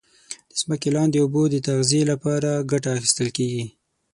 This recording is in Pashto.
د ځمکې لاندي اوبو د تغذیه لپاره کټه اخیستل کیږي.